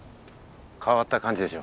変わった感じでしょ？